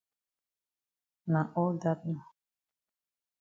Na all dat nor.